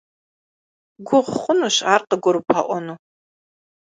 Гугъу хъунущ ар къыгурыбгъэӏуэну.